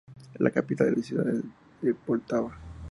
La capital es la ciudad de Poltava.